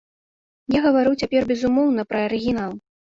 Я гавару цяпер, безумоўна, пра арыгінал.